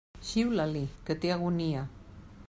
Xiula-li, que té agonia.